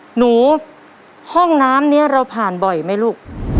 หนูห้องน้ำนี้เราผ่านบ่อยไหมลูก